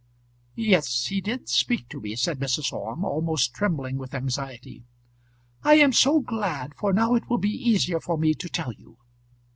"Yes, he did speak to me," said Mrs. Orme, almost trembling with anxiety. "I am so glad, for now it will be easier for me to tell you.